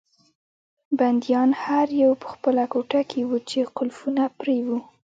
بندیان هر یو په خپله کوټه کې وو چې قلفونه پرې وو.